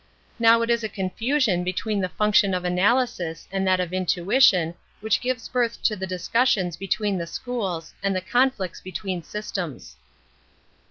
Now it is a confusion between the function of analysis and that of intuition which gives birth to the discussions between the schools and the conflicts between systems.